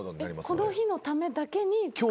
この日のためだけに作って。